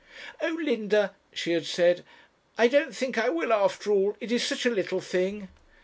'Oh, Linda,' she had said, 'I don't think I will, after all; it is such a little thing.'